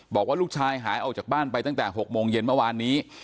บอกว่าลูกชายหายออกจากบ้านไปตั้งแต่๖โมงเย็นเมื่อวานนี้